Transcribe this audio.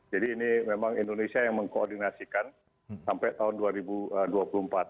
jadi ini memang indonesia yang mengkoordinasikan sampai tahun dua ribu dua puluh empat